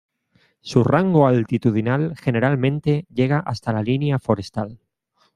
Su rango altitudinal generalmente llega hasta la línea forestal.